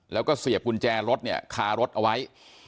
แล้วก็เสียบกุญแจรถเนี่ยคารถเอาไว้